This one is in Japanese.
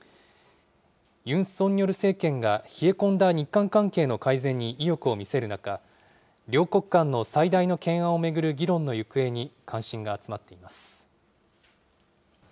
ユン・ソンニョル政権が冷え込んだ日韓関係の改善に意欲を見せる中、両国間の最大の懸案を巡る議論の行方に関心が集まっています。